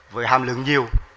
với hàm lượng nhiều